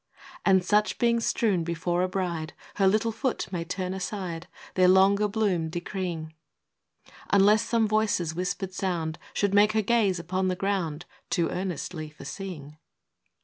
And such being strewn before a bride, Her little foot may turn aside, Their longer bloom decreeing; ' Unless some voice's whispered sound Should make her gaze upon the ground Too earnestly — for seeing.